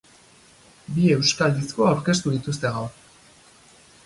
Bi euskal disko aurkeztu dituzte gaur.